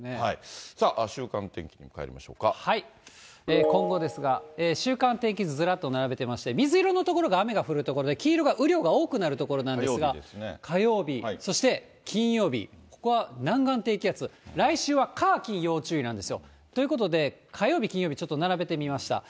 さあ、今後ですが、週間天気図ずらっと並べてまして、水色の所が雨が降る所で、黄色が雨量が多くなる所なんですが、火曜日、そして金曜日、ここは南岸低気圧、来週は火、金、要注意なんですよ。ということで、火曜日、金曜日、ちょっと並べてみました。